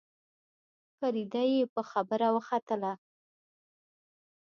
فريده يې په خبره وختله.